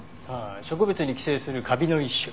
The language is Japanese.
植物に寄生するカビの一種。